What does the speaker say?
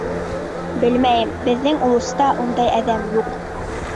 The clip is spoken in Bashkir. — Белмәйем, беҙҙең улуста ундай әҙәм юҡ.